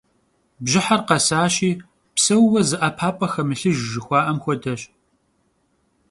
Bjıher khesaşi, pseuue zı 'epap'e xemılhıjj jjıxua'em xuedeş.